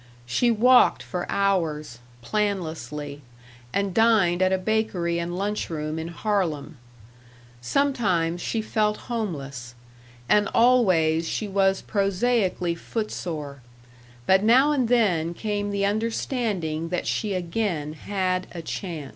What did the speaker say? She walked for hours, planlessly, and dined at a bakery and lunch room in Harlem. Sometimes she felt homeless, and always she was prosaically footsore, but now and then came the understanding that she again had a chance.